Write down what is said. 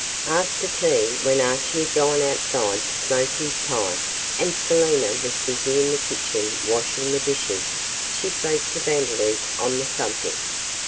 After tea, when Archie had gone outside to smoke his pipe, and Selina was busy in the kitchen washing the dishes, she spoke to Vandeloup on the subject.